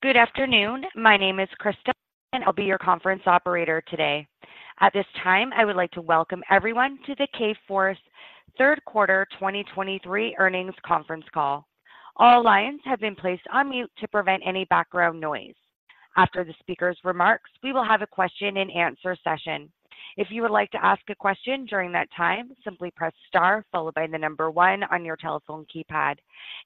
Good afternoon. My name is Crystal, and I'll be your conference operator today. At this time, I would like to welcome everyone to the Kforce Q3 2023 Earnings Conference Call. All lines have been placed on mute to prevent any background noise. After the speaker's remarks, we will have a question-and-answer session. If you would like to ask a question during that time, simply press star followed by the number one on your telephone keypad.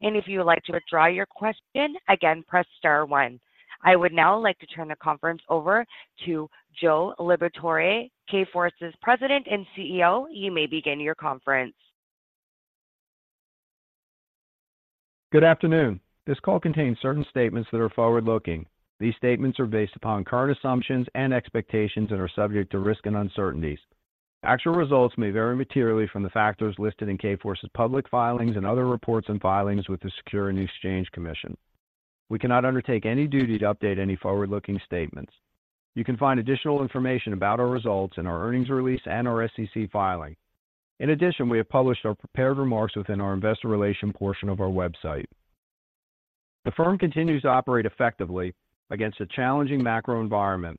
And if you would like to withdraw your question again, press star one. I would now like to turn the conference over to Joe Liberatore, Kforce's President and CEO. You may begin your conference. Good afternoon. This call contains certain statements that are forward-looking. These statements are based upon current assumptions and expectations that are subject to risk and uncertainties. Actual results may vary materially from the factors listed in Kforce's public filings and other reports and filings with the Securities and Exchange Commission. We cannot undertake any duty to update any forward-looking statements. You can find additional information about our results in our earnings release and our SEC filing. In addition, we have published our prepared remarks within our investor relations portion of our website. The firm continues to operate effectively against a challenging macro environment.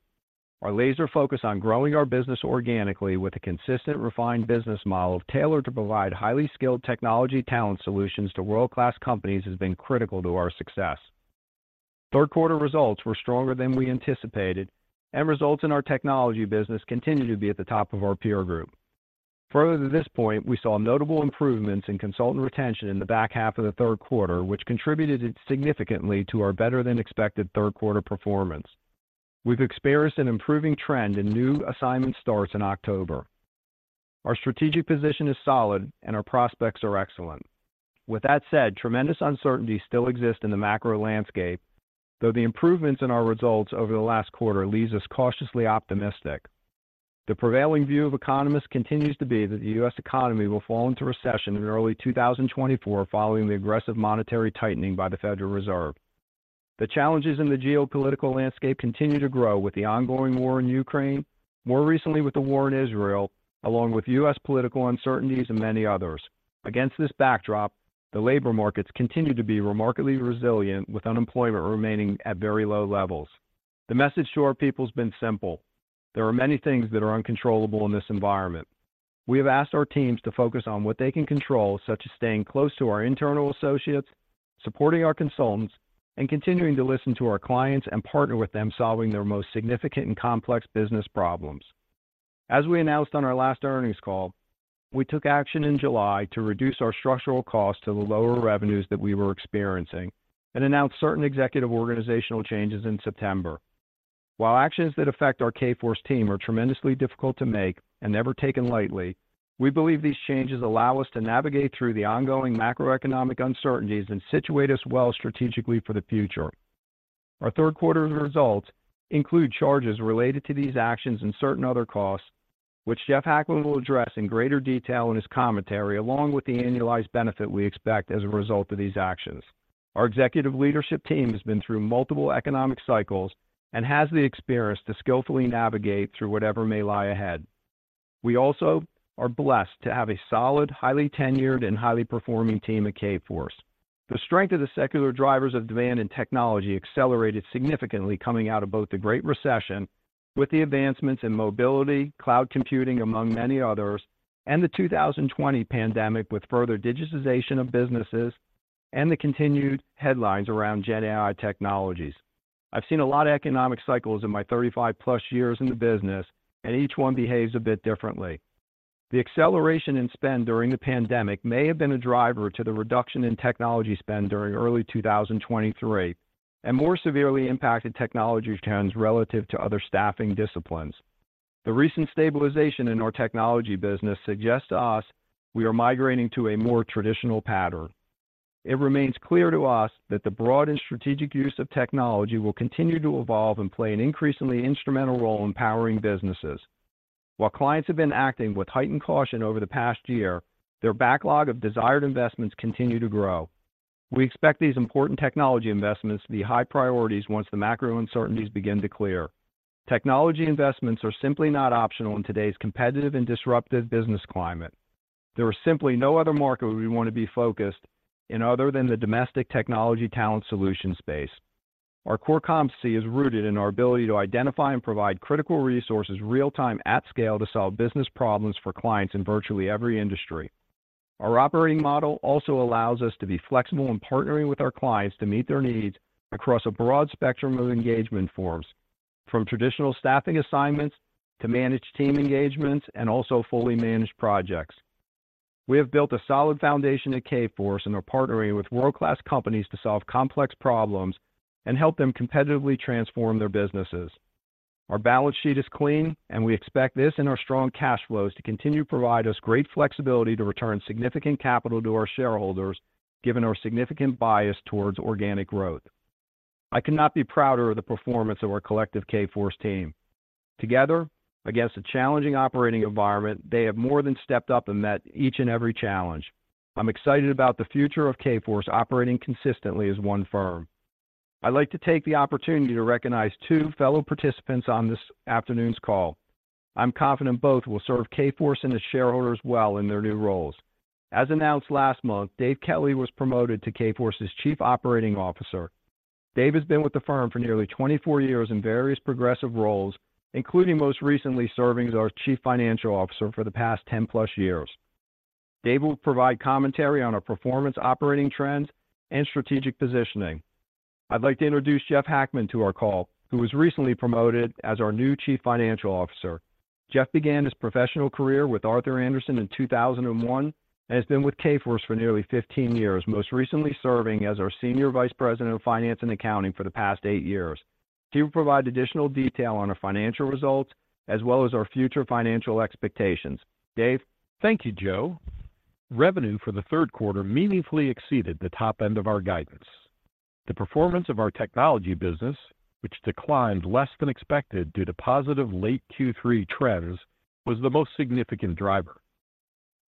Our laser focus on growing our business organically with a consistent, refined business model tailored to provide highly skilled technology talent solutions to world-class companies, has been critical to our success. Q3 results were stronger than we anticipated, and results in our technology business continue to be at the top of our peer group. Further to this point, we saw notable improvements in consultant retention in the back half of the Q3, which contributed significantly to our better-than-expected Q3 performance. We've experienced an improving trend in new assignment starts in October. Our strategic position is solid, and our prospects are excellent. With that said, tremendous uncertainties still exist in the macro landscape, though the improvements in our results over the last quarter leaves us cautiously optimistic. The prevailing view of economists continues to be that the US economy will fall into recession in early 2024, following the aggressive monetary tightening by the Federal Reserve. The challenges in the geopolitical landscape continue to grow, with the ongoing war in Ukraine, more recently with the war in Israel, along with US political uncertainties and many others. Against this backdrop, the labor markets continue to be remarkably resilient, with unemployment remaining at very low levels. The message to our people has been simple: There are many things that are uncontrollable in this environment. We have asked our teams to focus on what they can control, such as staying close to our internal associates, supporting our consultants, and continuing to listen to our clients and partner with them, solving their most significant and complex business problems. As we announced on our last earnings call, we took action in July to reduce our structural costs to the lower revenues that we were experiencing and announced certain executive organizational changes in September. While actions that affect our Kforce team are tremendously difficult to make and never taken lightly, we believe these changes allow us to navigate through the ongoing macroeconomic uncertainties and situate us well strategically for the future. Our Q3 results include charges related to these actions and certain other costs, which Jeff Hackman will address in greater detail in his commentary, along with the annualized benefit we expect as a result of these actions. Our executive leadership team has been through multiple economic cycles and has the experience to skillfully navigate through whatever may lie ahead. We also are blessed to have a solid, highly tenured, and highly performing team at Kforce. The strength of the secular drivers of demand and technology accelerated significantly coming out of both the Great Recession, with the advancements in mobility, cloud computing, among many others, and the 2020 pandemic, with further digitization of businesses and the continued headlines around GenAI technologies. I've seen a lot of economic cycles in my 35+ years in the business, and each one behaves a bit differently. The acceleration in spend during the pandemic may have been a driver to the reduction in technology spend during early 2023, and more severely impacted technology trends relative to other staffing disciplines. The recent stabilization in our technology business suggests to us we are migrating to a more traditional pattern. It remains clear to us that the broad and strategic use of technology will continue to evolve and play an increasingly instrumental role in powering businesses. While clients have been acting with heightened caution over the past year, their backlog of desired investments continue to grow. We expect these important technology investments to be high priorities once the macro uncertainties begin to clear. Technology investments are simply not optional in today's competitive and disruptive business climate. There is simply no other market we want to be focused in other than the domestic technology talent solution space. Our core competency is rooted in our ability to identify and provide critical resources, real-time, at scale, to solve business problems for clients in virtually every industry. Our operating model also allows us to be flexible in partnering with our clients to meet their needs across a broad spectrum of engagement forms, from traditional staffing assignments to managed team engagements and also fully managed projects. We have built a solid foundation at Kforce and are partnering with world-class companies to solve complex problems and help them competitively transform their businesses. Our balance sheet is clean, and we expect this and our strong cash flows to continue to provide us great flexibility to return significant capital to our shareholders, given our significant bias towards organic growth. I could not be prouder of the performance of our collective Kforce team. Together, against a challenging operating environment, they have more than stepped up and met each and every challenge. I'm excited about the future of Kforce operating consistently as one firm. I'd like to take the opportunity to recognize two fellow participants on this afternoon's call…. I'm confident both will serve Kforce and its shareholders well in their new roles. As announced last month, Dave Kelly was promoted to Kforce's Chief Operating Officer. Dave has been with the firm for nearly 24 years in various progressive roles, including most recently serving as our Chief Financial Officer for the past 10+ years. Dave will provide commentary on our performance, operating trends, and strategic positioning. I'd like to introduce Jeff Hackman to our call, who was recently promoted as our new Chief Financial Officer. Jeff began his professional career with Arthur Andersen in 2001 and has been with Kforce for nearly 15 years, most recently serving as our Senior Vice President of Finance and Accounting for the past eight years. He will provide additional detail on our financial results as well as our future financial expectations. Dave? Thank you, Joe. Revenue for the Q3 meaningfully exceeded the top end of our guidance. The performance of our technology business, which declined less than expected due to positive late Q3 trends, was the most significant driver.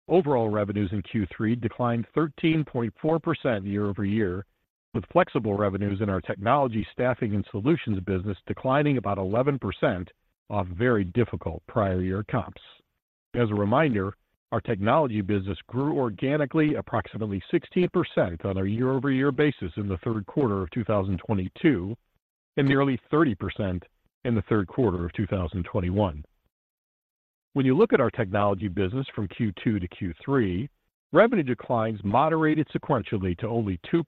Overall revenues in Q3 declined 13.4% year-over-year, with flexible revenues in our technology, staffing, and solutions business declining about 11% off very difficult prior year comps. As a reminder, our technology business grew organically approximately 16% on a year-over-year basis in the Q3 of 2022, and nearly 30% in the Q3 of 2021. When you look at our technology business from Q2 to Q3, revenue declines moderated sequentially to only 2%,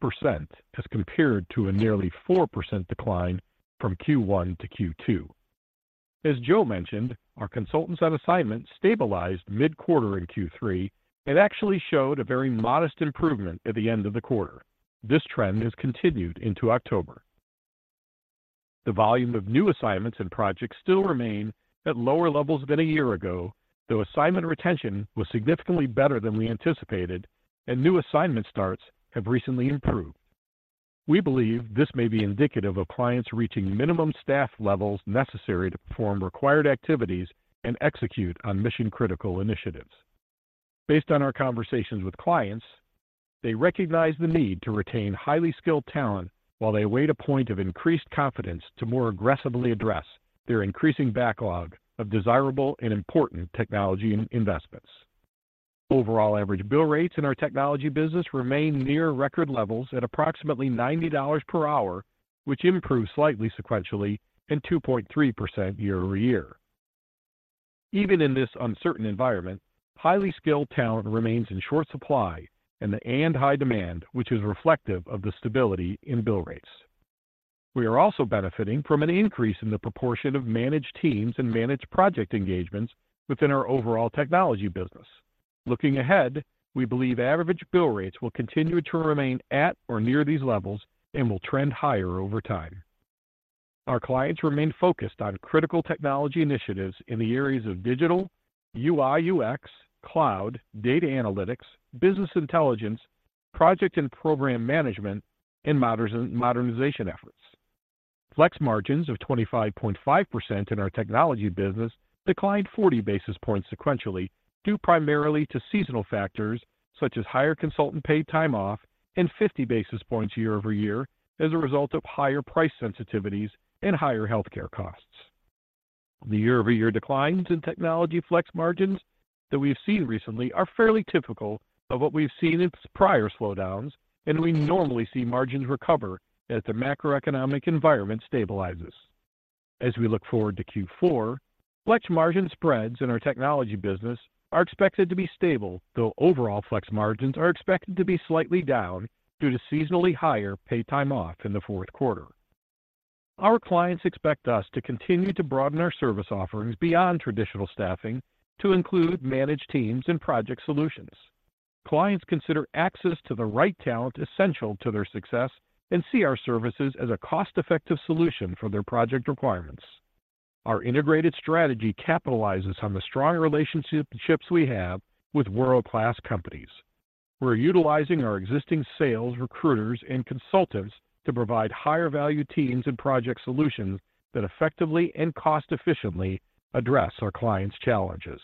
as compared to a nearly 4% decline from Q1 to Q2. As Joe mentioned, our consultants on assignment stabilized mid-quarter in Q3 and actually showed a very modest improvement at the end of the quarter. This trend has continued into October. The volume of new assignments and projects still remain at lower levels than a year ago, though assignment retention was significantly better than we anticipated, and new assignment starts have recently improved. We believe this may be indicative of clients reaching minimum staff levels necessary to perform required activities and execute on mission-critical initiatives. Based on our conversations with clients, they recognize the need to retain highly skilled talent while they await a point of increased confidence to more aggressively address their increasing backlog of desirable and important technology investments. Overall, average bill rates in our technology business remain near record levels at approximately $90 per hour, which improved slightly sequentially and 2.3% year-over-year. Even in this uncertain environment, highly skilled talent remains in short supply and high demand, which is reflective of the stability in bill rates. We are also benefiting from an increase in the proportion of managed teams and managed project engagements within our overall technology business. Looking ahead, we believe average bill rates will continue to remain at or near these levels and will trend higher over time. Our clients remain focused on critical technology initiatives in the areas of digital, UI, UX, cloud, data analytics, business intelligence, project and program management, and modernization efforts. Flex margins of 25.5% in our technology business declined 40 basis points sequentially, due primarily to seasonal factors such as higher consultant paid time off and 50 basis points year-over-year as a result of higher price sensitivities and higher healthcare costs. The year-over-year declines in technology flex margins that we've seen recently are fairly typical of what we've seen in prior slowdowns, and we normally see margins recover as the macroeconomic environment stabilizes. As we look forward to Q4, flex margin spreads in our technology business are expected to be stable, though overall flex margins are expected to be slightly down due to seasonally higher paid time off in the Q4. Our clients expect us to continue to broaden our service offerings beyond traditional staffing to include managed teams and project solutions. Clients consider access to the right talent essential to their success and see our services as a cost-effective solution for their project requirements. Our integrated strategy capitalizes on the strong relationships we have with world-class companies. We're utilizing our existing sales, recruiters, and consultants to provide higher-value teams and project solutions that effectively and cost-efficiently address our clients' challenges.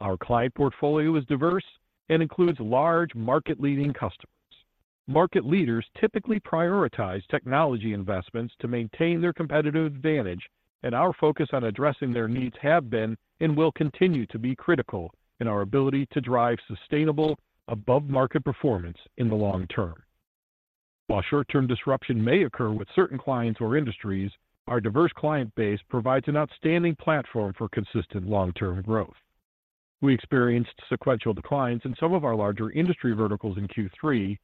Our client portfolio is diverse and includes large, market-leading customers. Market leaders typically prioritize technology investments to maintain their competitive advantage, and our focus on addressing their needs have been and will continue to be critical in our ability to drive sustainable, above-market performance in the long term. While short-term disruption may occur with certain clients or industries, our diverse client base provides an outstanding platform for consistent long-term growth. We experienced sequential declines in some of our larger industry verticals in Q3,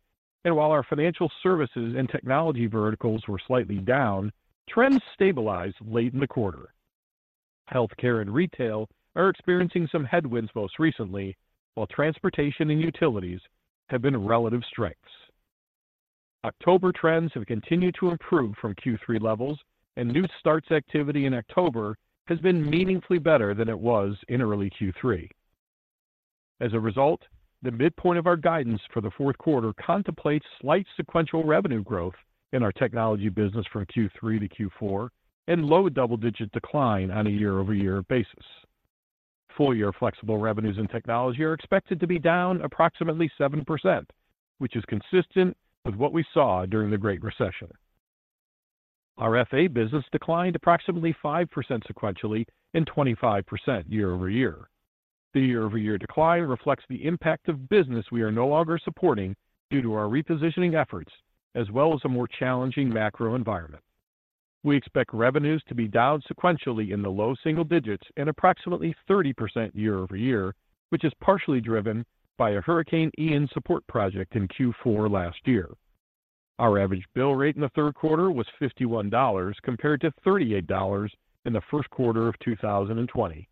and while our financial services and technology verticals were slightly down, trends stabilized late in the quarter. Healthcare and retail are experiencing some headwinds most recently, while transportation and utilities have been relative strengths. October trends have continued to improve from Q3 levels, and new starts activity in October has been meaningfully better than it was in early Q3. As a result, the midpoint of our guidance for the Q4 contemplates slight sequential revenue growth in our technology business from Q3 to Q4 and low double-digit decline on a year-over-year basis. Full-year flexible revenues and technology are expected to be down approximately 7%, which is consistent with what we saw during the Great Recession. Our F&A business declined approximately 5% sequentially and 25% year-over-year. The year-over-year decline reflects the impact of business we are no longer supporting due to our repositioning efforts, as well as a more challenging macro environment. We expect revenues to be down sequentially in the low single digits and approximately 30% year-over-year, which is partially driven by a Hurricane Ian support project in Q4 last year. Our average bill rate in the Q3 was $51, compared to $38 in the Q1 of 2020.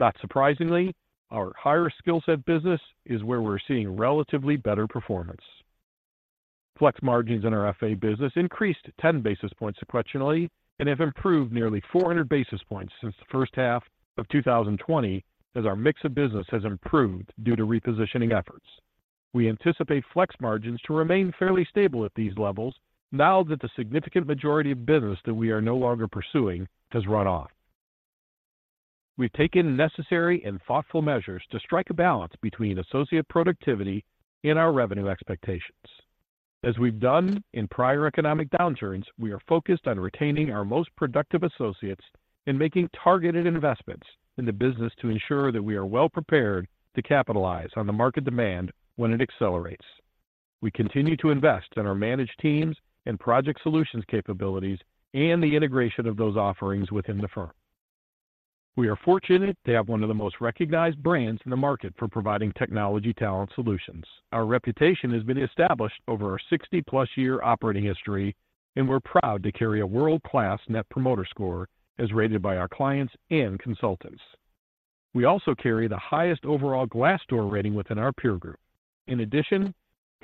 Not surprisingly, our higher skill set business is where we're seeing relatively better performance. Flex margins in our FA business increased 10 basis points sequentially and have improved nearly 400 basis points since the first half of 2020, as our mix of business has improved due to repositioning efforts. We anticipate flex margins to remain fairly stable at these levels now that the significant majority of business that we are no longer pursuing has run off. We've taken necessary and thoughtful measures to strike a balance between associate productivity and our revenue expectations. As we've done in prior economic downturns, we are focused on retaining our most productive associates and making targeted investments in the business to ensure that we are well-prepared to capitalize on the market demand when it accelerates. We continue to invest in our managed teams and project solutions capabilities and the integration of those offerings within the firm. We are fortunate to have one of the most recognized brands in the market for providing technology talent solutions. Our reputation has been established over our 60+ year operating history, and we're proud to carry a world-class Net Promoter Score as rated by our clients and consultants. We also carry the highest overall Glassdoor rating within our peer group. In addition,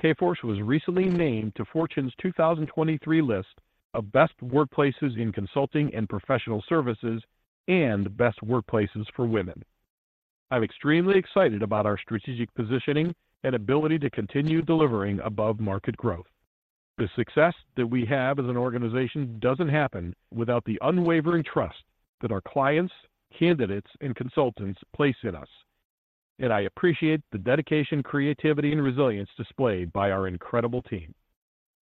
Kforce was recently named to Fortune's 2023 list of Best Workplaces in Consulting and Professional Services and Best Workplaces for Women. I'm extremely excited about our strategic positioning and ability to continue delivering above-market growth. The success that we have as an organization doesn't happen without the unwavering trust that our clients, candidates, and consultants place in us, and I appreciate the dedication, creativity, and resilience displayed by our incredible team.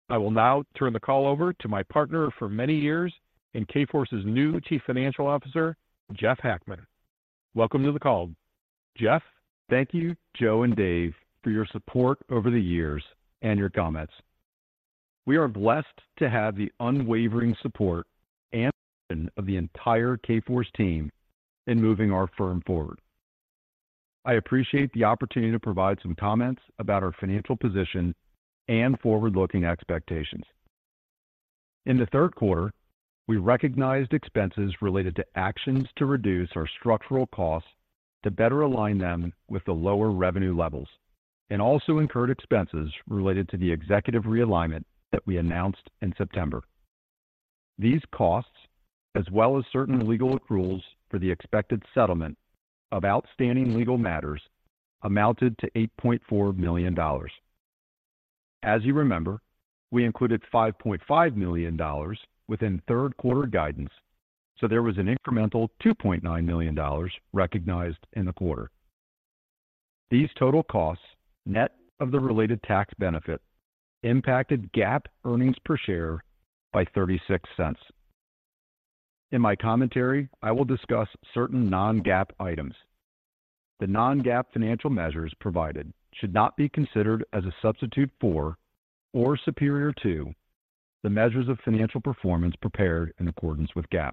I will now turn the call over to my partner for many years and Kforce's new Chief Financial Officer, Jeff Hackman. Welcome to the call, Jeff. Thank you, Joe and Dave, for your support over the years and your comments. We are blessed to have the unwavering support and passion of the entire Kforce team in moving our firm forward. I appreciate the opportunity to provide some comments about our financial position and forward-looking expectations. In the Q3, we recognized expenses related to actions to reduce our structural costs to better align them with the lower revenue levels, and also incurred expenses related to the executive realignment that we announced in September. These costs, as well as certain legal accruals for the expected settlement of outstanding legal matters, amounted to $8.4 million. As you remember, we included $5.5 million within Q3 guidance, so there was an incremental $2.9 million recognized in the quarter. These total costs, net of the related tax benefit, impacted GAAP earnings per share by $0.36. In my commentary, I will discuss certain non-GAAP items. The non-GAAP financial measures provided should not be considered as a substitute for or superior to the measures of financial performance prepared in accordance with GAAP.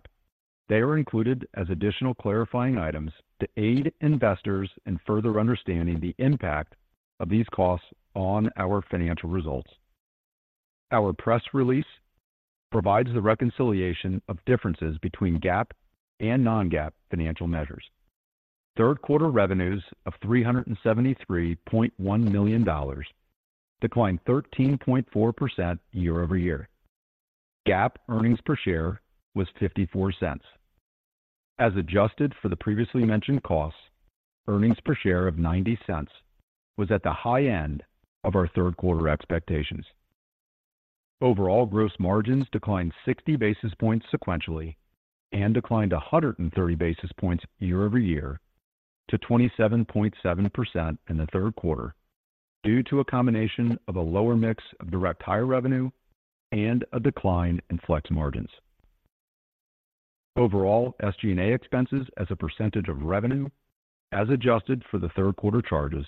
They are included as additional clarifying items to aid investors in further understanding the impact of these costs on our financial results. Our press release provides the reconciliation of differences between GAAP and non-GAAP financial measures. Q3 revenues of $373.1 million declined 13.4% year-over-year. GAAP earnings per share was $0.54. As adjusted for the previously mentioned costs, earnings per share of $0.90 was at the high end of our Q3 expectations. Overall, gross margins declined 60 basis points sequentially and declined 130 basis points year-over-year to 27.7% in the Q3, due to a combination of a lower mix of direct hire revenue and a decline in flex margins. Overall, SG&A expenses as a percentage of revenue, as adjusted for the Q3 charges,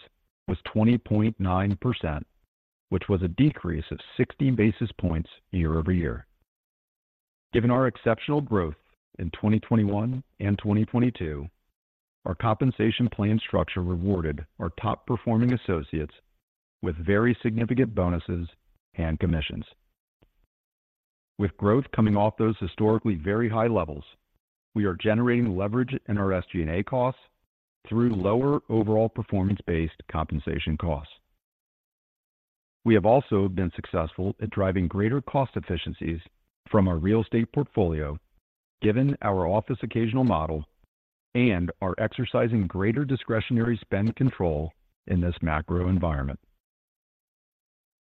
was 20.9%, which was a decrease of 60 basis points year-over-year. Given our exceptional growth in 2021 and 2022, our compensation plan structure rewarded our top-performing associates with very significant bonuses and commissions. With growth coming off those historically very high levels, we are generating leverage in our SG&A costs through lower overall performance-based compensation costs. We have also been successful at driving greater cost efficiencies from our real estate portfolio, given our office-optional model, and are exercising greater discretionary spend control in this macro environment.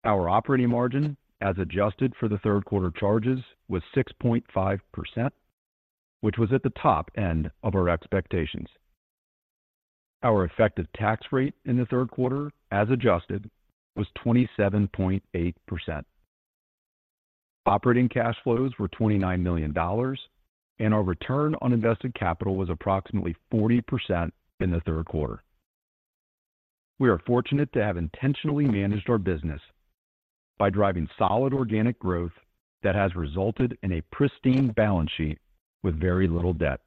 Our operating margin, as adjusted for the Q3 charges, was 6.5%, which was at the top end of our expectations. Our effective tax rate in the Q3, as adjusted, was 27.8%. Operating cash flows were $29 million, and our return on invested capital was approximately 40% in the Q3. We are fortunate to have intentionally managed our business by driving solid organic growth that has resulted in a pristine balance sheet with very little debt.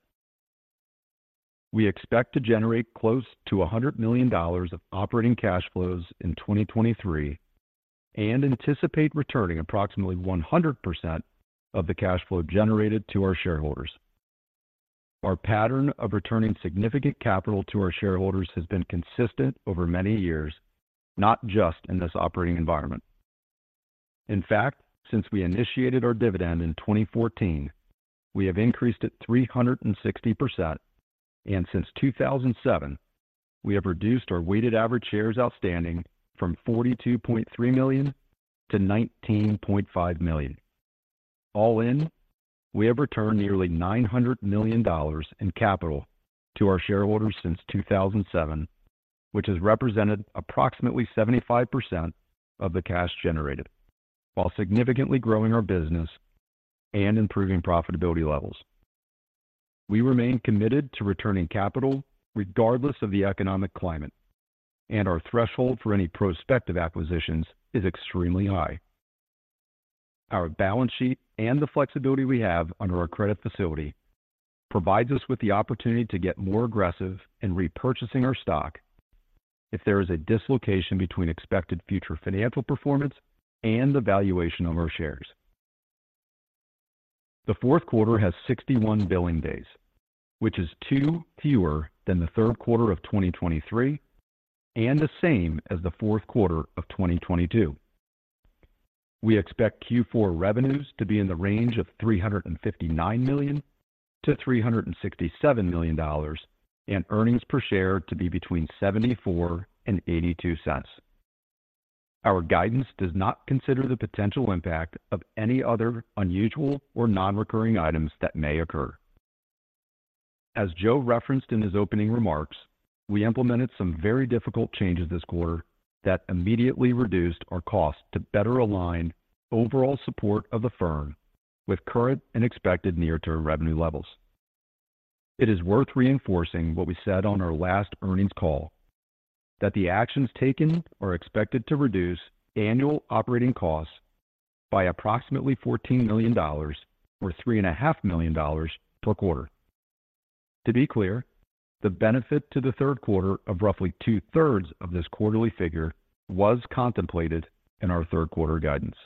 We expect to generate close to $100 million of operating cash flows in 2023, and anticipate returning approximately 100% of the cash flow generated to our shareholders. Our pattern of returning significant capital to our shareholders has been consistent over many years, not just in this operating environment. In fact, since we initiated our dividend in 2014, we have increased it 360%, and since 2007, we have reduced our weighted average shares outstanding from 42.3 million to 19.5 million. All in, we have returned nearly $900 million in capital to our shareholders since 2007, which has represented approximately 75% of the cash generated, while significantly growing our business and improving profitability levels. We remain committed to returning capital regardless of the economic climate, and our threshold for any prospective acquisitions is extremely high. Our balance sheet and the flexibility we have under our credit facility provides us with the opportunity to get more aggressive in repurchasing our stock if there is a dislocation between expected future financial performance and the valuation of our shares. The Q4 has 61 billing days, which is two fewer than the Q3 of 2023, and the same as the Q4 of 2022. We expect Q4 revenues to be in the range of $359 million-$367 million, and earnings per share to be between $0.74 and 0.82. Our guidance does not consider the potential impact of any other unusual or non-recurring items that may occur. As Joe referenced in his opening remarks, we implemented some very difficult changes this quarter that immediately reduced our cost to better align overall support of the firm with current and expected near-term revenue levels. It is worth reinforcing what we said on our last earnings call, that the actions taken are expected to reduce annual operating costs by approximately $14 million or $3.5 million per quarter. To be clear, the benefit to the Q3 of roughly two-thirds of this quarterly figure was contemplated in our Q3 guidance.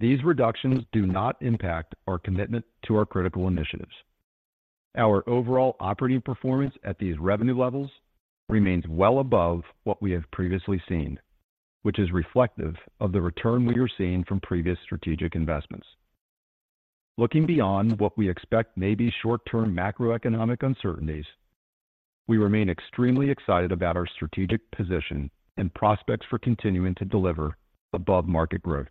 These reductions do not impact our commitment to our critical initiatives. Our overall operating performance at these revenue levels remains well above what we have previously seen, which is reflective of the return we are seeing from previous strategic investments. Looking beyond what we expect may be short-term macroeconomic uncertainties, we remain extremely excited about our strategic position and prospects for continuing to deliver above-market growth,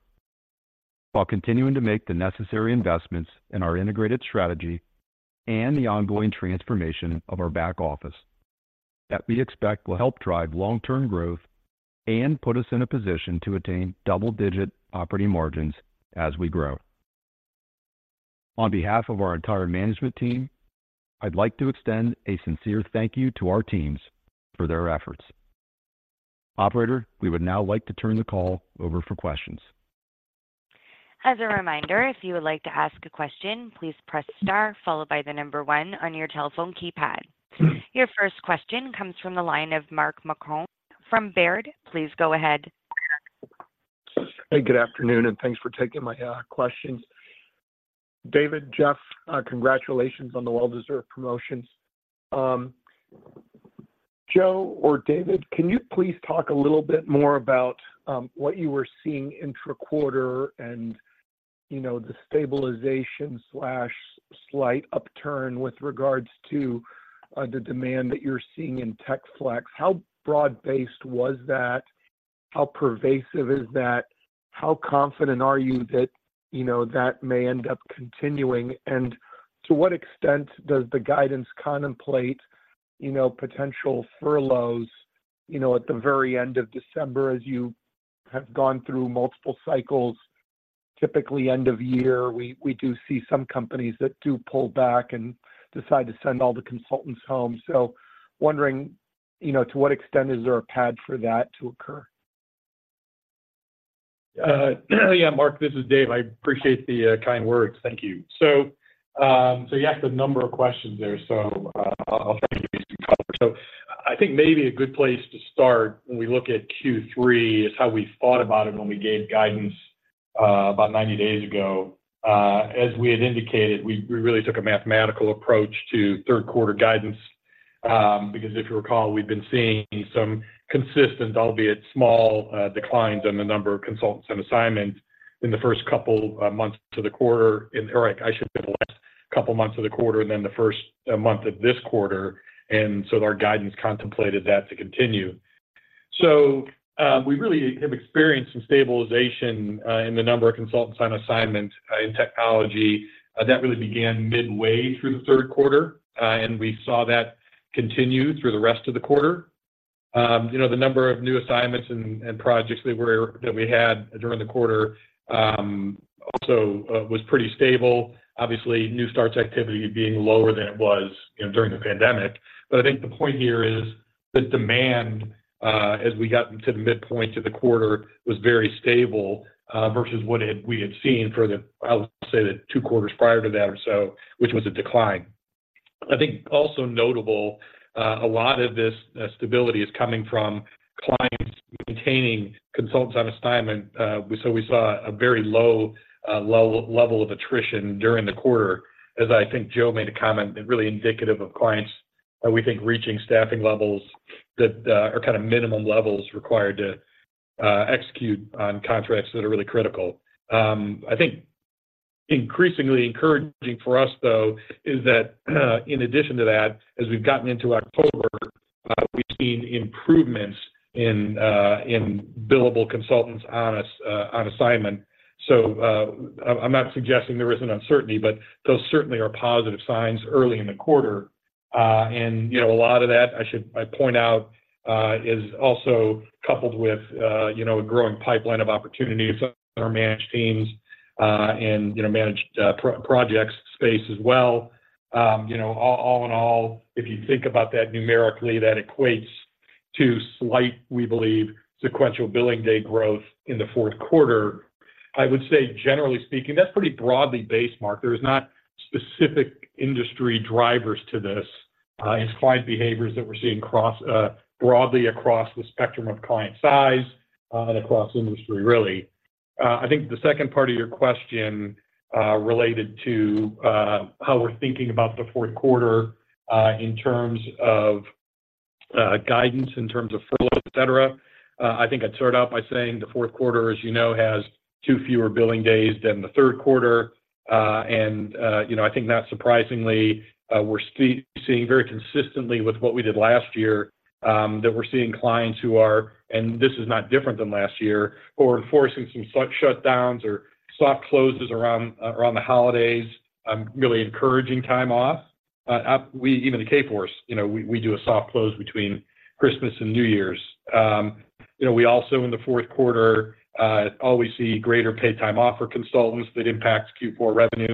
while continuing to make the necessary investments in our integrated strategy and the ongoing transformation of our back office that we expect will help drive long-term growth and put us in a position to attain double-digit operating margins as we grow. On behalf of our entire management team, I'd like to extend a sincere thank you to our teams for their efforts. Operator, we would now like to turn the call over for questions. As a reminder, if you would like to ask a question, please press star followed by the number one on your telephone keypad. Your first question comes from the line of Mark Marcon from Baird. Please go ahead. Hey, good afternoon, and thanks for taking my questions. David, Jeff, congratulations on the well-deserved promotions. Joe or David, can you please talk a little bit more about what you were seeing intra-quarter and, you know, the stabilization/slight upturn with regards to the demand that you're seeing in Tech Flex? How broad-based was that? How pervasive is that? How confident are you that, you know, that may end up continuing? And to what extent does the guidance contemplate, you know, potential furloughs, you know, at the very end of December, as you have gone through multiple cycles? Typically, end of year, we do see some companies that do pull back and decide to send all the consultants home. So wondering, you know, to what extent is there a pad for that to occur? Yeah, Mark, this is Dave. I appreciate the kind words. Thank you. So, so you asked a number of questions there, so, I'll try to cover. So I think maybe a good place to start when we look at Q3 is how we thought about it when we gave guidance, about 90 days ago. As we had indicated, we, we really took a mathematical approach to Q3 guidance, because if you recall, we've been seeing some consistent, albeit small, declines in the number of consultants and assignments in the first couple of months to the quarter. And, or I should say less.... a couple months of the quarter, and then the first month of this quarter, and so our guidance contemplated that to continue. So, we really have experienced some stabilization in the number of consultants on assignment in technology. That really began midway through the Q3, and we saw that continue through the rest of the quarter. You know, the number of new assignments and projects that we had during the quarter also was pretty stable. Obviously, new starts activity being lower than it was, you know, during the pandemic. But I think the point here is the demand as we got into the midpoint of the quarter was very stable versus what we had seen for the, I would say, the two quarters prior to that or so, which was a decline. I think also notable, a lot of this stability is coming from clients maintaining consultants on assignment. So we saw a very low level of attrition during the quarter, as I think Joe made a comment really indicative of clients that we think reaching staffing levels that are kind of minimum levels required to execute on contracts that are really critical. I think increasingly encouraging for us though is that, in addition to that, as we've gotten into October, we've seen improvements in billable consultants on assignment. So, I'm not suggesting there isn't uncertainty, but those certainly are positive signs early in the quarter. and, you know, a lot of that, I should point out, is also coupled with, you know, a growing pipeline of opportunities in our managed teams, and, you know, managed projects space as well. You know, all in all, if you think about that numerically, that equates to slight, we believe, sequential billing day growth in the Q4. I would say, generally speaking, that's pretty broadly-based. There is not specific industry drivers to this, it's client behaviors that we're seeing across, broadly across the spectrum of client size, and across industry really. I think the second part of your question, related to, how we're thinking about the Q4, in terms of, guidance, in terms of flow, et cetera. I think I'd start out by saying the Q4, as you know, has two fewer billing days than the Q3. You know, I think not surprisingly, we're seeing very consistently with what we did last year, that we're seeing clients who are... and this is not different than last year, who are enforcing some slight shutdowns or soft closes around the holidays, really encouraging time off. We even the Kforce, you know, we do a soft close between Christmas and New Year's. You know, we also in the Q4 always see greater paid time off for consultants that impacts Q4 revenues.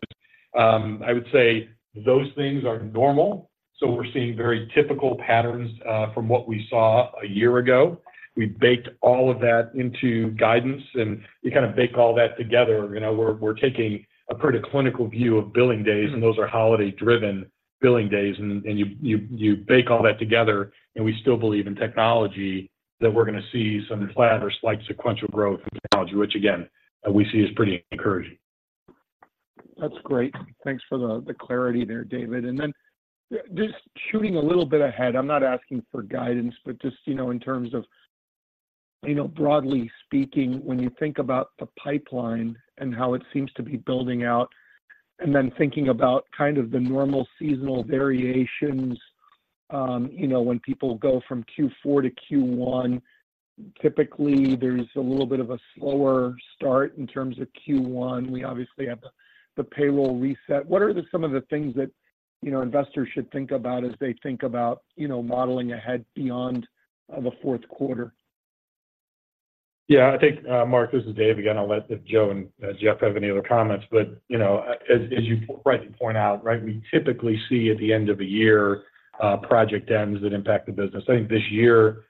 I would say those things are normal, so we're seeing very typical patterns from what we saw a year ago. We baked all of that into guidance, and you kind of bake all that together. You know, we're taking a pretty clinical view of billing days, and those are holiday-driven billing days. And you bake all that together, and we still believe in technology that we're gonna see some flat or slight sequential growth in technology, which again we see as pretty encouraging. That's great. Thanks for the clarity there, David. And then, just shooting a little bit ahead, I'm not asking for guidance, but just, you know, in terms of, you know, broadly speaking, when you think about the pipeline and how it seems to be building out, and then thinking about kind of the normal seasonal variations, you know, when people go from Q4 to Q1, typically there's a little bit of a slower start in terms of Q1. We obviously have the payroll reset. What are some of the things that, you know, investors should think about as they think about, you know, modeling ahead beyond the Q4? Yeah, I think, Mark, this is Dave again. I'll see if Joe and Jeff have any other comments, but, you know, as you rightly point out, right, we typically see at the end of a year, project ends that impact the business. I think this year,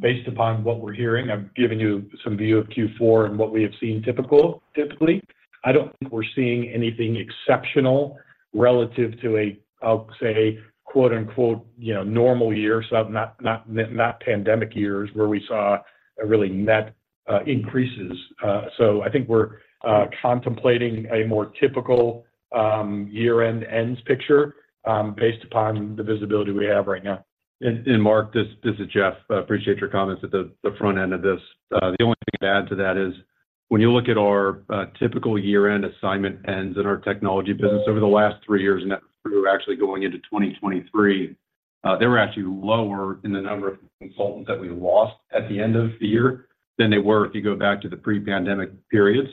based upon what we're hearing, I've given you some view of Q4 and what we have seen typically. I don't think we're seeing anything exceptional relative to a, I'll say, quote, unquote, normal years, not pandemic years, where we saw a really net increases. So I think we're contemplating a more typical, year-end ends picture, based upon the visibility we have right now. And Mark, this is Jeff. I appreciate your comments at the front end of this. The only thing to add to that is, when you look at our typical year-end assignment ends in our technology business over the last three years, and that were actually going into 2023, they were actually lower in the number of consultants that we lost at the end of the year than they were if you go back to the pre-pandemic periods.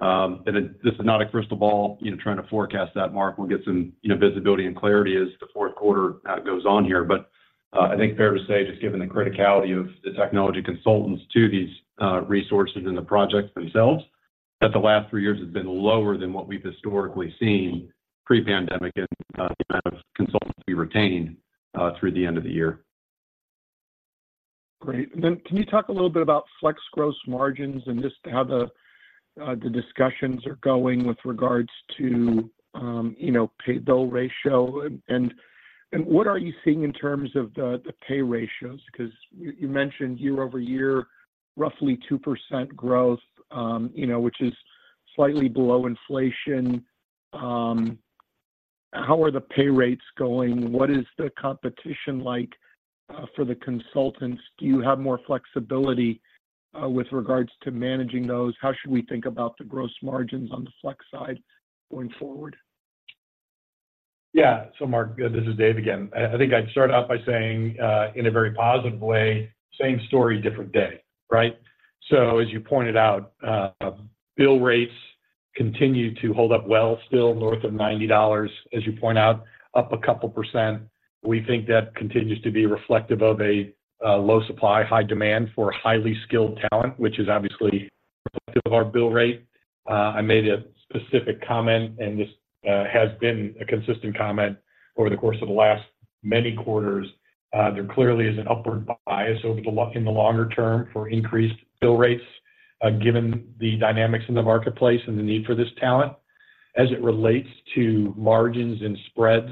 And this is not a crystal ball, you know, trying to forecast that, Mark, we'll get some, you know, visibility and clarity as the Q4 goes on here. But, I think fair to say, just given the criticality of the technology consultants to these, resources and the projects themselves, that the last three years have been lower than what we've historically seen pre-pandemic in, the amount of consultants we retain, through the end of the year. Great. And then can you talk a little bit about Flex Gross Margins and just how the discussions are going with regards to, you know, bill ratio? And what are you seeing in terms of the pay ratios? Because you mentioned year-over-year, roughly 2% growth, you know, which is slightly below inflation. How are the pay rates going? What is the competition like for the consultants? Do you have more flexibility with regards to managing those, how should we think about the gross margins on the flex side going forward? Yeah. So Mark, good, this is Dave again. I think I'd start out by saying, in a very positive way, same story, different day, right? So as you pointed out, bill rates continue to hold up well, still north of $90, as you point out, up a couple %. We think that continues to be reflective of a low supply, high demand for highly skilled talent, which is obviously reflective of our bill rate. I made a specific comment, and this has been a consistent comment over the course of the last many quarters. There clearly is an upward bias over the long term for increased bill rates, given the dynamics in the marketplace and the need for this talent. As it relates to margins and spreads,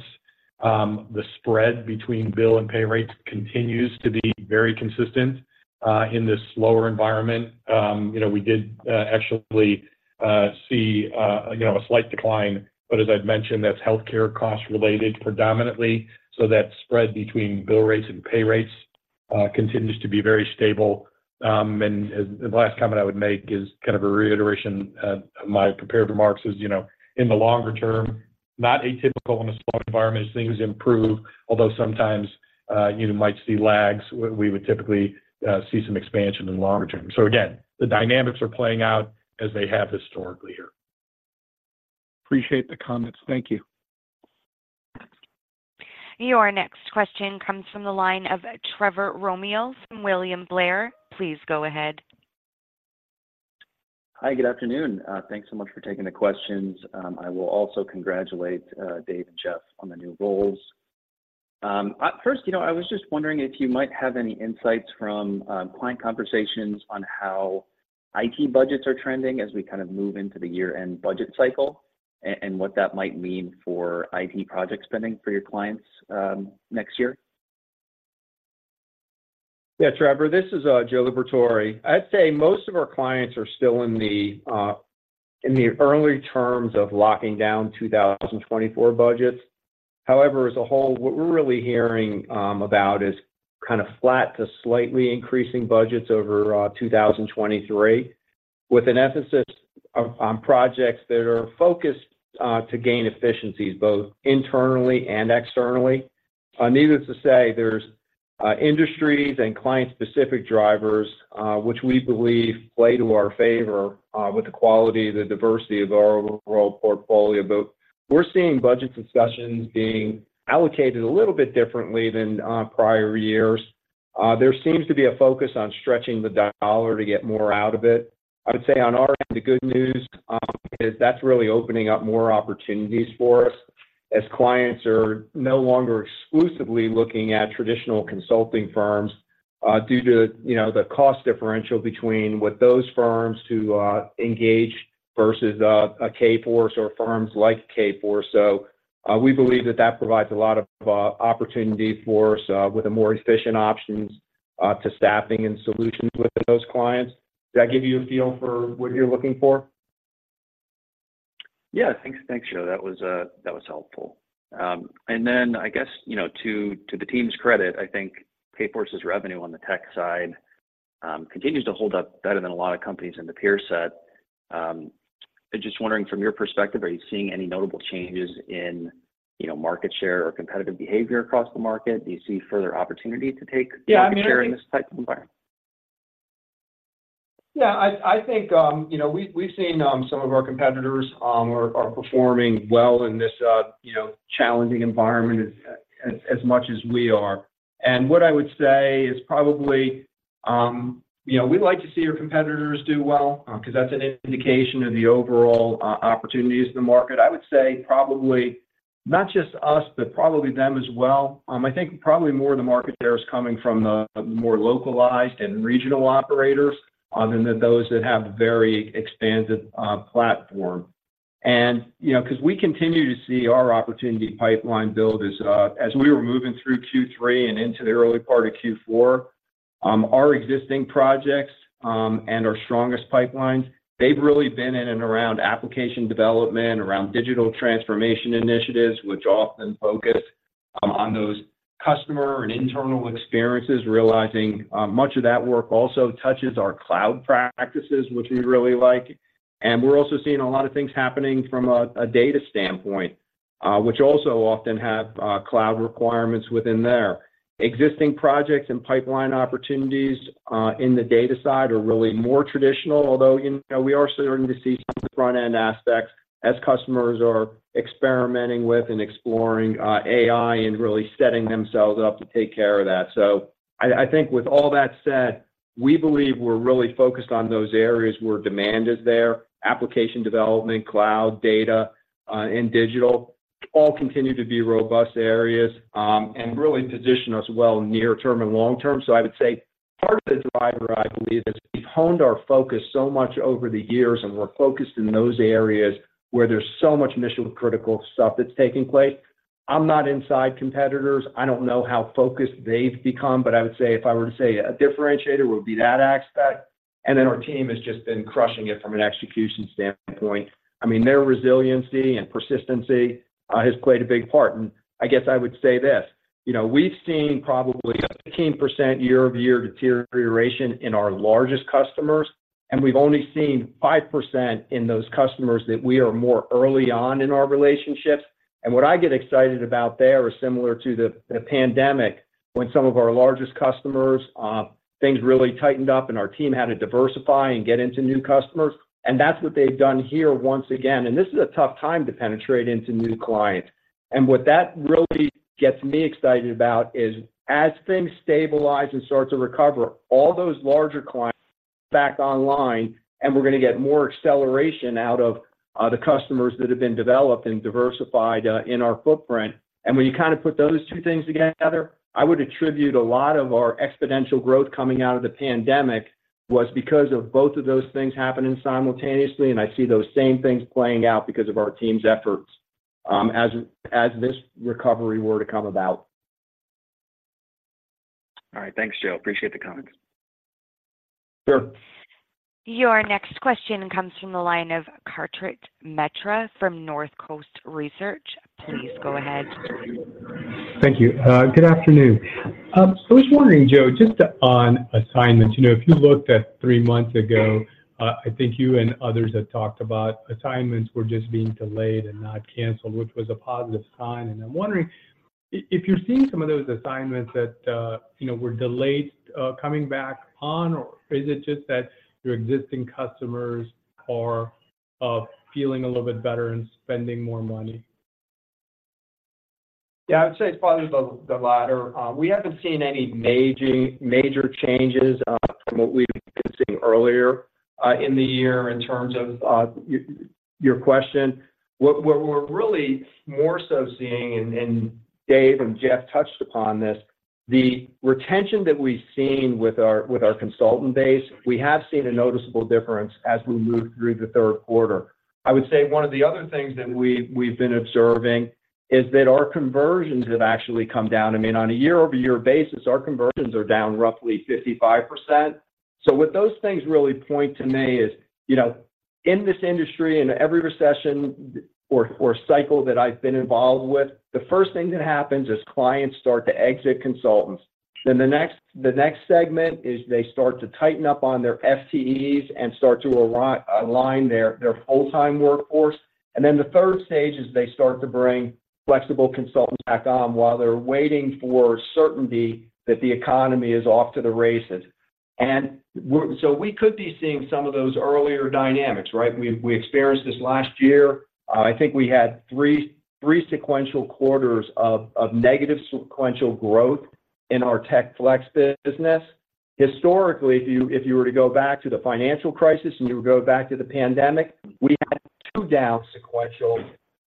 the spread between bill and pay rates continues to be very consistent in this slower environment. You know, we did actually see you know a slight decline, but as I'd mentioned, that's healthcare cost related predominantly. So that spread between bill rates and pay rates continues to be very stable. And the last comment I would make is kind of a reiteration of my prepared remarks is, you know, in the longer term, not atypical in a slow environment as things improve, although sometimes you might see lags, we would typically see some expansion in the longer term. So again, the dynamics are playing out as they have historically here. Appreciate the comments. Thank you. Your next question comes from the line of Trevor Romeo from William Blair. Please go ahead. Hi, good afternoon. Thanks so much for taking the questions. I will also congratulate Dave and Jeff on their new roles. At first, you know, I was just wondering if you might have any insights from client conversations on how IT budgets are trending as we kind of move into the year-end budget cycle, and what that might mean for IT project spending for your clients next year? Yeah, Trevor, this is Joe Liberatore. I'd say most of our clients are still in the early terms of locking down 2024 budgets. However, as a whole, what we're really hearing about is kind of flat to slightly increasing budgets over 2023, with an emphasis on projects that are focused to gain efficiencies, both internally and externally. Needless to say, there's industries and client-specific drivers which we believe play to our favor with the quality, the diversity of our overall portfolio. But we're seeing budget discussions being allocated a little bit differently than prior years. There seems to be a focus on stretching the dollar to get more out of it. I would say on our end, the good news is that's really opening up more opportunities for us as clients are no longer exclusively looking at traditional consulting firms due to, you know, the cost differential between what those firms to engage versus a Kforce or firms like Kforce. So we believe that that provides a lot of opportunity for us with a more efficient options to staffing and solutions within those clients. Does that give you a feel for what you're looking for? Yeah. Thanks. Thanks, Joe. That was, that was helpful. And then I guess, you know, to, to the team's credit, I think Kforce's revenue on the tech side, continues to hold up better than a lot of companies in the peer set. Just wondering from your perspective, are you seeing any notable changes in, you know, market share or competitive behavior across the market? Do you see further opportunity to take- Yeah, I mean- Market share in this type of environment? Yeah, I think, you know, we've seen some of our competitors are performing well in this, you know, challenging environment as much as we are. And what I would say is probably, you know, we'd like to see our competitors do well, 'cause that's an indication of the overall opportunities in the market. I would say probably not just us, but probably them as well. I think probably more of the market there is coming from the more localized and regional operators than those that have very expanded platform. You know, 'cause we continue to see our opportunity pipeline build as we were moving through Q3 and into the early part of Q4, our existing projects and our strongest pipelines, they've really been in and around application development, around digital transformation initiatives, which often focus on those customer and internal experiences, realizing much of that work also touches our cloud practices, which we really like. And we're also seeing a lot of things happening from a data standpoint, which also often have cloud requirements within there. Existing projects and pipeline opportunities in the data side are really more traditional, although, you know, we are starting to see some front-end aspects as customers are experimenting with and exploring AI and really setting themselves up to take care of that. So I, I think with all that said, we believe we're really focused on those areas where demand is there. Application development, cloud, data, and digital, all continue to be robust areas, and really position us well near term and long term. So I would say part of the driver, I believe, is we've honed our focus so much over the years, and we're focused in those areas where there's so much mission-critical stuff that's taking place. I'm not inside competitors. I don't know how focused they've become, but I would say if I were to say a differentiator, would be that aspect. And then our team has just been crushing it from an execution standpoint. I mean, their resiliency and persistency has played a big part. And I guess I would say this-... You know, we've seen probably a 15% year-over-year deterioration in our largest customers, and we've only seen 5% in those customers that we are more early on in our relationships. And what I get excited about there is similar to the, the pandemic, when some of our largest customers, things really tightened up, and our team had to diversify and get into new customers, and that's what they've done here once again, and this is a tough time to penetrate into new clients. And what that really gets me excited about is, as things stabilize and start to recover, all those larger clients back online, and we're going to get more acceleration out of the customers that have been developed and diversified in our footprint. When you kind of put those two things together, I would attribute a lot of our exponential growth coming out of the pandemic, was because of both of those things happening simultaneously, and I see those same things playing out because of our team's efforts, as this recovery were to come about. All right. Thanks, Joe. Appreciate the comments. Sure. Your next question comes from the line of Kartik Mehta from Northcoast Research. Please go ahead. Thank you. Good afternoon. So I was wondering, Joe, just on assignments, you know, if you looked at three months ago, I think you and others have talked about assignments were just being delayed and not canceled, which was a positive sign. And I'm wondering if you're seeing some of those assignments that, you know, were delayed, coming back on, or is it just that your existing customers are feeling a little bit better and spending more money? Yeah, I would say it's probably the, the latter. We haven't seen any major, major changes from what we've been seeing earlier in the year in terms of your question. What we're really more so seeing, and Dave and Jeff touched upon this, the retention that we've seen with our consultant base, we have seen a noticeable difference as we move through the Q3. I would say one of the other things that we've been observing is that our conversions have actually come down. I mean, on a year-over-year basis, our conversions are down roughly 55%. So what those things really point to me is, you know, in this industry, in every recession or cycle that I've been involved with, the first thing that happens is clients start to exit consultants. Then the next segment is they start to tighten up on their FTEs and start to align their full-time workforce. And then the third stage is they start to bring flexible consultants back on while they're waiting for certainty that the economy is off to the races. And so we could be seeing some of those earlier dynamics, right? We experienced this last year. I think we had three sequential quarters of negative sequential growth in our Tech Flex business. Historically, if you were to go back to the financial crisis, and you would go back to the pandemic, we had two down sequential.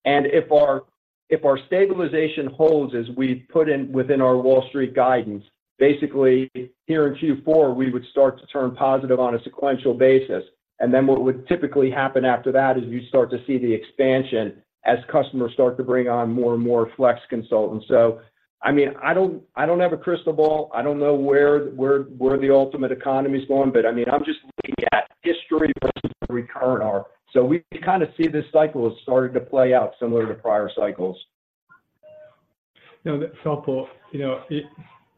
And if our stabilization holds as we put in within our Wall Street guidance, basically here in Q4, we would start to turn positive on a sequential basis. And then what would typically happen after that is you start to see the expansion as customers start to bring on more and more flex consultants. So, I mean, I don't, I don't have a crystal ball. I don't know where, where, where the ultimate economy is going, but I mean, I'm just looking at history versus the current era. So we kind of see this cycle has started to play out similar to prior cycles. No, that's helpful. You know,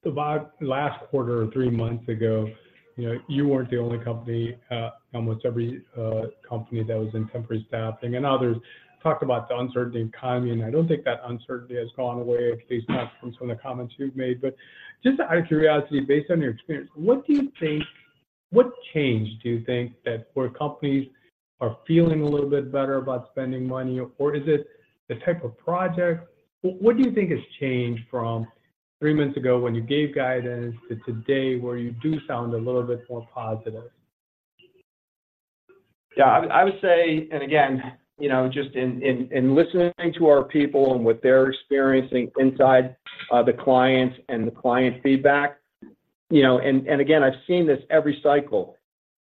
about last quarter or three months ago, you know, you weren't the only company, almost every company that was in temporary staffing and others talked about the uncertainty in the economy, and I don't think that uncertainty has gone away, at least not from some of the comments you've made. But just out of curiosity, based on your experience, what do you think, what change do you think that where companies are feeling a little bit better about spending money, or is it the type of project? What do you think has changed from three months ago when you gave guidance to today, where you do sound a little bit more positive? Yeah, I would say, and again, you know, just in listening to our people and what they're experiencing inside the clients and the client feedback, you know, and again, I've seen this every cycle.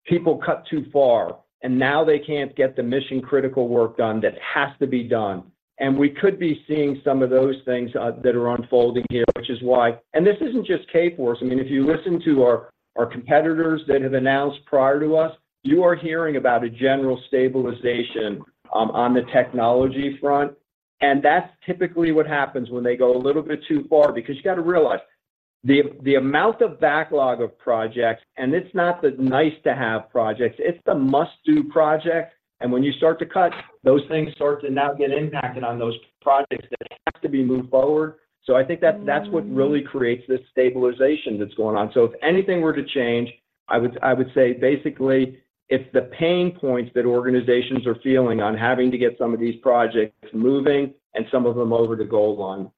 People cut too far, and now they can't get the mission-critical work done that has to be done. And we could be seeing some of those things that are unfolding here, which is why... And this isn't just Kforce. I mean, if you listen to our competitors that have announced prior to us, you are hearing about a general stabilization on the technology front. And that's typically what happens when they go a little bit too far, because you got to realize the amount of backlog of projects, and it's not the nice-to-have projects, it's the must-do projects. When you start to cut, those things start to now get impacted on those projects that has to be moved forward. I think that-that's what really creates this stabilization that's going on. If anything were to change, I would, I would say, basically, it's the pain points that organizations are feeling on having to get some of these projects moving and some of them over the goal line.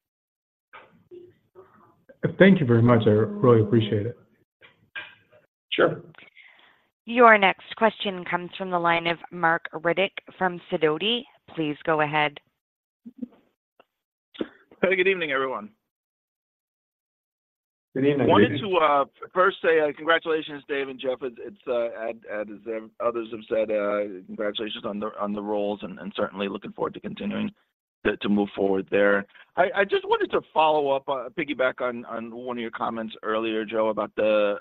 Thank you very much. I really appreciate it. Sure. Your next question comes from the line of Marc Riddick from Sidoti. Please go ahead. Hey, good evening, everyone. Good evening. I wanted to first say congratulations, Dave and Jeff. It's as others have said, congratulations on the roles and certainly looking forward to continuing to move forward there. I just wanted to follow up on, piggyback on one of your comments earlier, Joe, about the,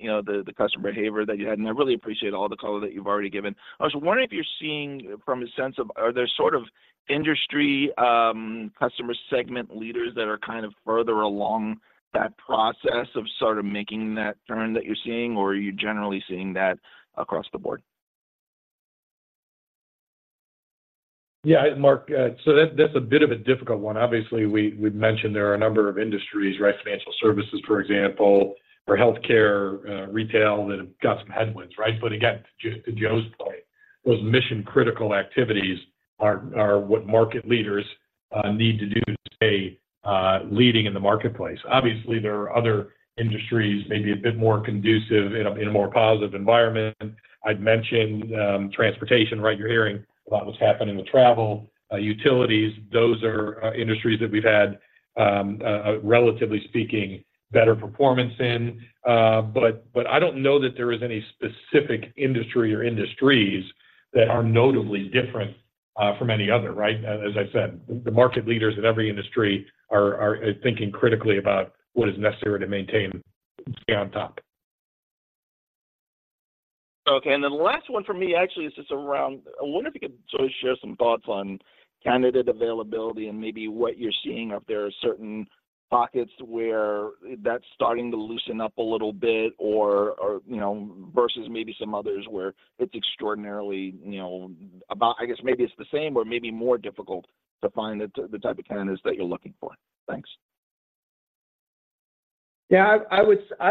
you know, the customer behavior that you had, and I really appreciate all the color that you've already given. I was wondering if you're seeing from a sense of are there sort of industry customer segment leaders that are kind of further along that process of sort of making that turn that you're seeing, or are you generally seeing that across the board? Yeah, Marc, so that, that's a bit of a difficult one. Obviously, we've mentioned there are a number of industries, right? Financial services, for example, or healthcare, retail, that have got some headwinds, right? But again, to Joe's point, those mission-critical activities are what market leaders need to do to stay leading in the marketplace. Obviously, there are other industries may be a bit more conducive in a more positive environment. I'd mentioned, transportation, right? You're hearing about what's happening with travel, utilities. Those are industries that we've had, relatively speaking, better performance in. But I don't know that there is any specific industry or industries that are notably different from any other, right? As I said, the market leaders in every industry are thinking critically about what is necessary to maintain to stay on top. Okay, and then the last one for me, actually, is just around... I wonder if you could sort of share some thoughts on candidate availability and maybe what you're seeing. If there are certain pockets where that's starting to loosen up a little bit, or, or, you know, versus maybe some others where it's extraordinarily, you know, about, I guess maybe it's the same or maybe more difficult to find the, the type of candidates that you're looking for. Thanks. Yeah, I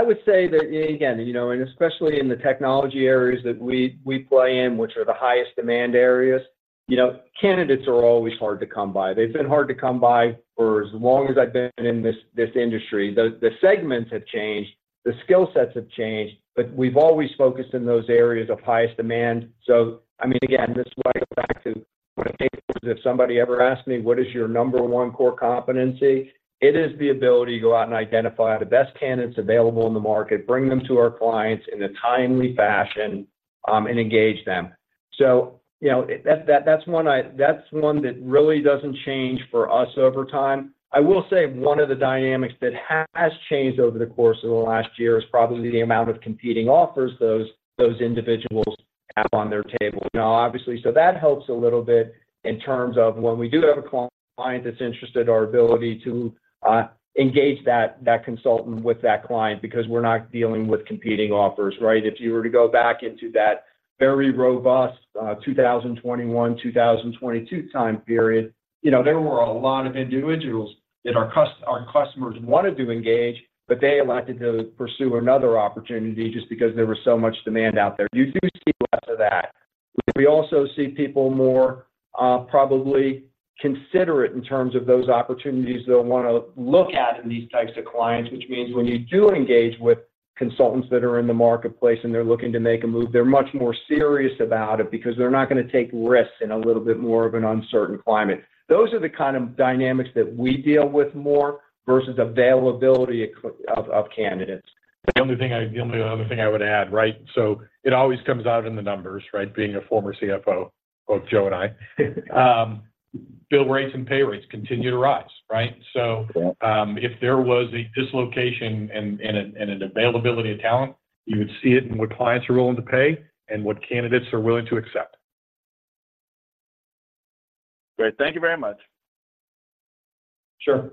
would say that, again, you know, and especially in the technology areas that we play in, which are the highest demand areas, you know, candidates are always hard to come by. They've been hard to come by for as long as I've been in this industry. The segments have changed, the skill sets have changed, but we've always focused in those areas of highest demand. So I mean, again, this is why I go back to when I think, if somebody ever asked me, "What is your number one core competency?" It is the ability to go out and identify the best candidates available in the market, bring them to our clients in a timely fashion, and engage them. So you know, that's one that really doesn't change for us over time. I will say one of the dynamics that has changed over the course of the last year is probably the amount of competing offers those individuals have on their table now, obviously. So that helps a little bit in terms of when we do have a client that's interested, our ability to engage that consultant with that client, because we're not dealing with competing offers, right? If you were to go back into that very robust 2021, 2022 time period, you know, there were a lot of individuals that our customers wanted to engage, but they elected to pursue another opportunity just because there was so much demand out there. You do see less of that. We also see people more probably considerate in terms of those opportunities they'll want to look at in these types of clients, which means when you do engage with consultants that are in the marketplace, and they're looking to make a move, they're much more serious about it because they're not going to take risks in a little bit more of an uncertain climate. Those are the kind of dynamics that we deal with more versus availability of candidates. The only other thing I would add, right, so it always comes out in the numbers, right? Being a former CFO, both Joe and I, bill rates and pay rates continue to rise, right? Yeah. So, if there was a dislocation and an availability of talent, you would see it in what clients are willing to pay and what candidates are willing to accept. Great. Thank you very much. Sure.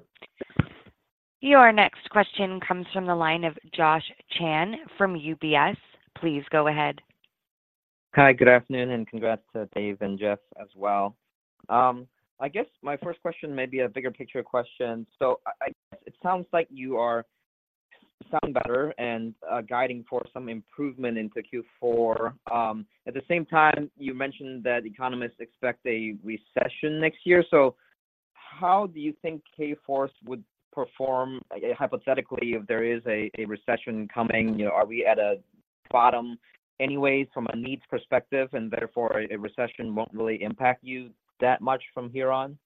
Your next question comes from the line of Josh Chan from UBS. Please go ahead. Hi, good afternoon, and congrats to Dave and Jeff as well. I guess my first question may be a bigger picture question. So I, it sounds like you are sounding better and guiding for some improvement into Q4. At the same time, you mentioned that economists expect a recession next year, so how do you think Kforce would perform, hypothetically, if there is a recession coming? You know, are we at a bottom anyways from a needs perspective, and therefore, a recession won't really impact you that much from here on?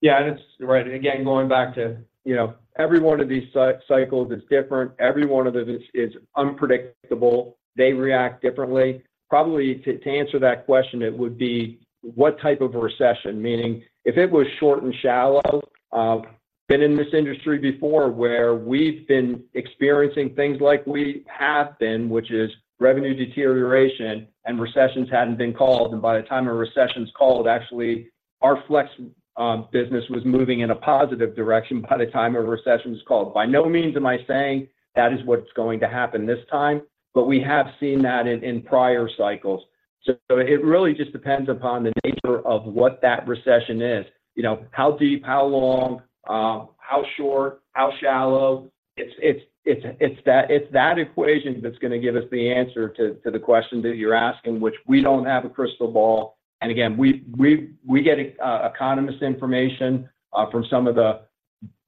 Yeah, that's right. Again, going back to, you know, every one of these cycles is different. Every one of them is unpredictable. They react differently. Probably to answer that question, it would be, what type of recession? Meaning, if it was short and shallow, been in this industry before, where we've been experiencing things like we have been, which is revenue deterioration and recessions hadn't been called, and by the time a recession's called, actually, our flex business was moving in a positive direction by the time a recession was called. By no means am I saying that is what's going to happen this time, but we have seen that in prior cycles. So it really just depends upon the nature of what that recession is. You know, how deep, how long, how short, how shallow? It's that equation that's gonna give us the answer to the question that you're asking, which we don't have a crystal ball. And again, we get economist information from some of the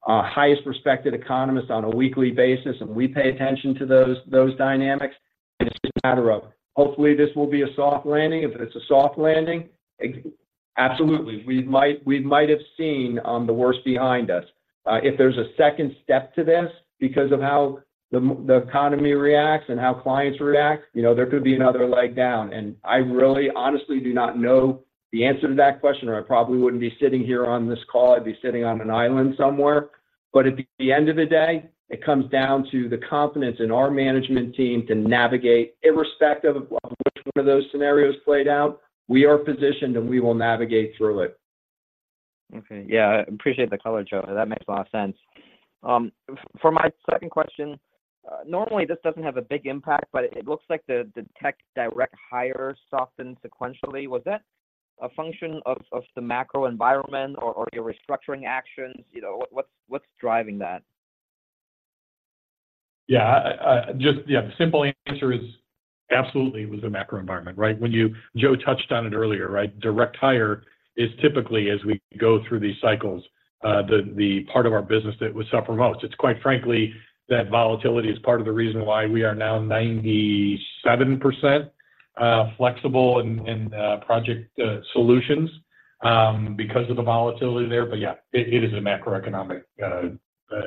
highest respected economists on a weekly basis, and we pay attention to those dynamics. It's just a matter of hopefully, this will be a soft landing. If it's a soft landing, absolutely, we might have seen the worst behind us. If there's a second step to this because of how the economy reacts and how clients react, you know, there could be another leg down, and I really honestly do not know the answer to that question, or I probably wouldn't be sitting here on this call. I'd be sitting on an island somewhere. At the end of the day, it comes down to the confidence in our management team to navigate, irrespective of which one of those scenarios played out. We are positioned, and we will navigate through it. Okay. Yeah, I appreciate the color, Joe. That makes a lot of sense. For my second question, normally this doesn't have a big impact, but it looks like the tech direct hire softened sequentially. Was that a function of the macro environment or your restructuring actions? You know, what's driving that? Yeah, the simple answer is absolutely, it was the macro environment, right? When Joe touched on it earlier, right? Direct hire is typically, as we go through these cycles, the part of our business that would suffer most. It's quite frankly, that volatility is part of the reason why we are now 97% flexible in project solutions because of the volatility there. But yeah, it is a macroeconomic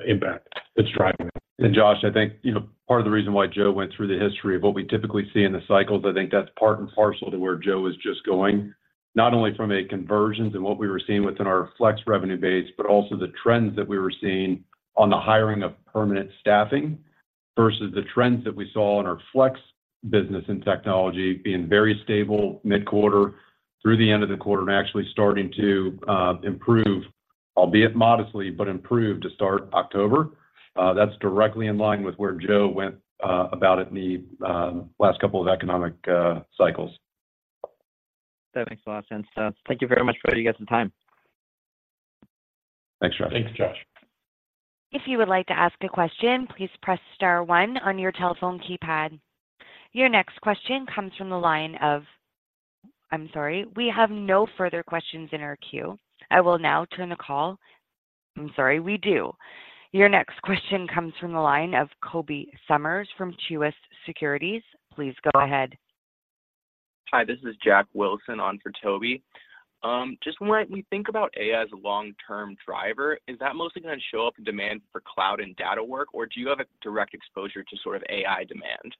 impact that's driving it. And Josh, I think, you know, part of the reason why Joe went through the history of what we typically see in the cycles, I think that's part and parcel to where Joe is just going. Not only from a conversions and what we were seeing within our flex revenue base, but also the trends that we were seeing on the hiring of permanent staffing, versus the trends that we saw in our flex business and technology being very stable mid-quarter through the end of the quarter, and actually starting to improve, albeit modestly, but improve to start October. That's directly in line with where Joe went about it in the last couple of economic cycles. That makes a lot of sense. So thank you very much for you guys' time. Thanks, Josh. Thank you, Josh. If you would like to ask a question, please press star one on your telephone keypad. Your next question comes from the line of... I'm sorry, we have no further questions in our queue. I will now turn the call—I'm sorry, we do. Your next question comes from the line of Tobey Sommer from Truist Securities. Please go ahead. Hi, this is Jack Wilson on for Tobey. Just when we think about AI as a long-term driver, is that mostly gonna show up in demand for cloud and data work, or do you have a direct exposure to sort of AI demand?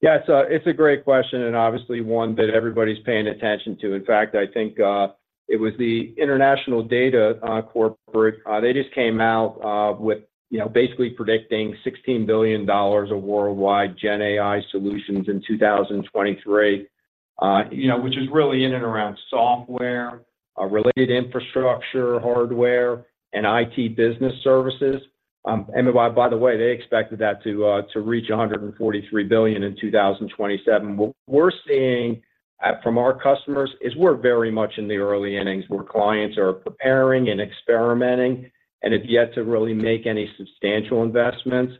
Yeah, so it's a great question, and obviously one that everybody's paying attention to. In fact, I think it was the International Data Corporation. They just came out with, you know, basically predicting $16 billion of worldwide Gen AI solutions in 2023. You know, which is really in and around software related infrastructure, hardware, and IT business services. And by the way, they expected that to reach $143 billion in 2027. What we're seeing from our customers is we're very much in the early innings, where clients are preparing and experimenting, and have yet to really make any substantial investments.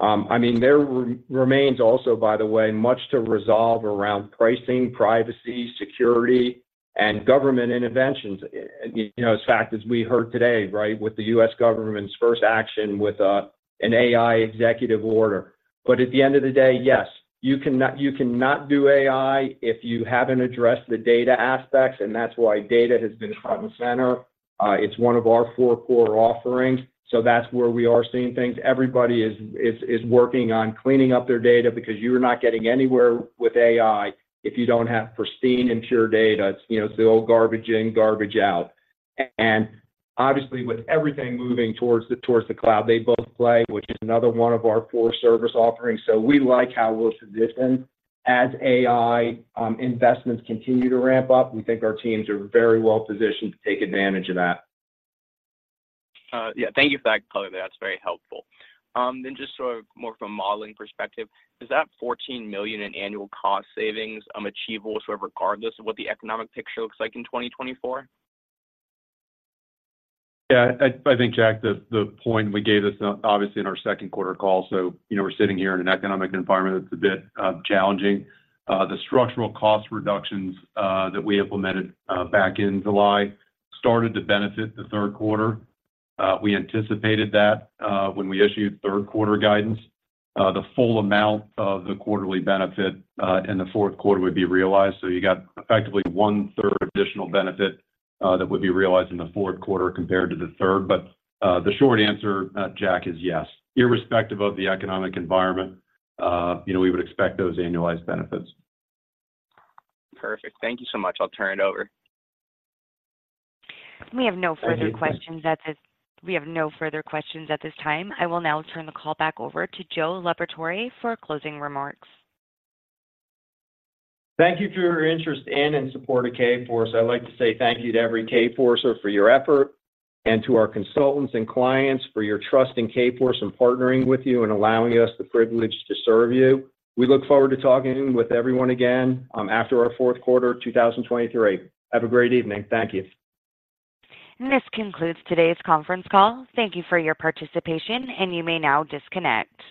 I mean, there remains also, by the way, much to resolve around pricing, privacy, security, and government interventions. You know, as a fact, as we heard today, right, with the US government's first action with an AI executive order. But at the end of the day, yes, you cannot, you cannot do AI if you haven't addressed the data aspects, and that's why data has been front and center. It's one of our four core offerings, so that's where we are seeing things. Everybody is working on cleaning up their data because you're not getting anywhere with AI if you don't have pristine and pure data. It's, you know, it's the old garbage in, garbage out. And obviously, with everything moving towards the cloud, they both play, which is another one of our core service offerings. So we like how we're positioned. As AI investments continue to ramp up, we think our teams are very well positioned to take advantage of that. Yeah. Thank you for that color, that's very helpful. Then just sort of more from a modeling perspective, is that $14 million in annual cost savings achievable, so regardless of what the economic picture looks like in 2024? Yeah, I think, Jack, the point we gave this obviously in our Q2 call, so, you know, we're sitting here in an economic environment that's a bit challenging. The structural cost reductions that we implemented back in July started to benefit the Q3. We anticipated that when we issued Q3 guidance, the full amount of the quarterly benefit in the Q4 would be realized. So you got effectively one-third additional benefit that would be realized in the Q4 compared to the third. But the short answer, Jack, is yes. Irrespective of the economic environment, you know, we would expect those annualized benefits. Perfect. Thank you so much. I'll turn it over. We have no further questions at this time. I will now turn the call back over to Joe Liberatore for closing remarks. Thank you for your interest in and support of Kforce. I'd like to say thank you to every Kforcer for your effort, and to our consultants and clients for your trust in Kforce, and partnering with you, and allowing us the privilege to serve you. We look forward to talking with everyone again, after our Q4, 2023. Have a great evening. Thank you. This concludes today's conference call. Thank you for your participation, and you may now disconnect.